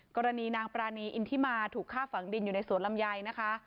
กรณีนางปรานีอินทิมาถูกฆ่าฝังดินอยู่ในสวนลำไยนะคะ